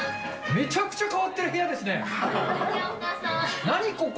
めちゃくちゃ変わってる部屋ようこそ。